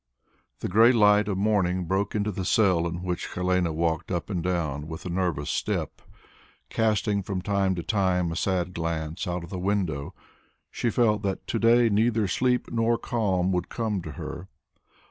The grey light of morning broke into the cell in which Helene walked up and down with a nervous step, casting from time to time a sad glance out of the window; she felt that to day neither sleep nor calm would come to her.